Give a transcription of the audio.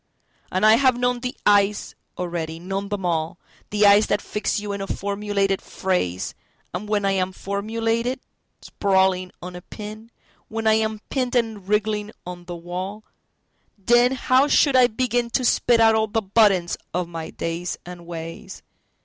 And I have known the eyes already, known them all—The eyes that fix you in a formulated phrase, And when I am formulated, sprawling on a pin, When I am pinned and wriggling on the wall, Then how should I beginTo spit out all the butt ends of my days and ways?